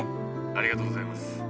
ありがとうございます。